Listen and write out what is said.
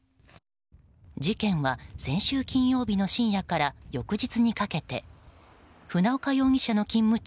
事件は、先週金曜日の深夜から翌日にかけて船岡容疑者の勤務地